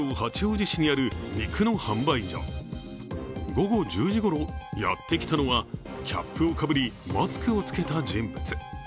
午後１０時ごろ、やってきたのはキャップをかぶり、マスクを着けた人物。